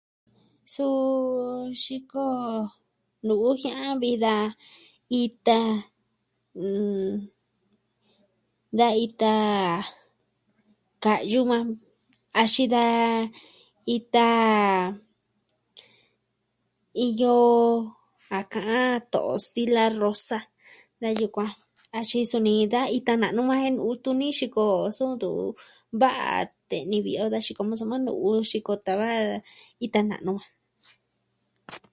Suu xiko nu'u jia'an vi da ita , da ita ka'yu yukuan, axin da ita... iyo... a ka'an to'o stila rosa, da yukuan. Axin suni da ita na'nu yukuan jen nu'u tuni xiko jo so ntuvi va'a te'ni vi'i o da xiko jo soma nu'u xiko tava ita na'nu.